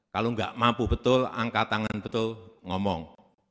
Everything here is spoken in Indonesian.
kalau enggak mampu betul angkat tangan betul ngomong